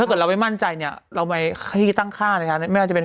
ถ้าเราไม่มั่นใจเราไปที่ตั้งค่าเมื่อจะเป็น